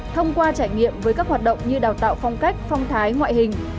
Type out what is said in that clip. thông qua trải nghiệm với các hoạt động như đào tạo phong cách phong thái ngoại hình